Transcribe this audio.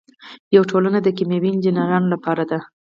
یوه ټولنه د کیمیاوي انجینرانو لپاره ده.